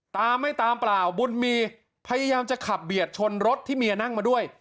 ตามไม่ตามเปล่าบุญมีพยายามจะขับเบียดชนรถที่เมียนั่งมาด้วย